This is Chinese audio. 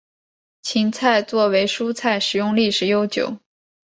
芹菜作为蔬菜食用历史悠久。